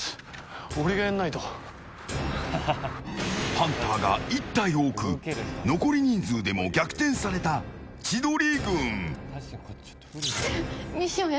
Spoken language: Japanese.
ハンターが１体多く残り人数でも逆転された千鳥軍。